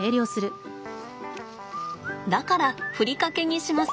だからふりかけにします。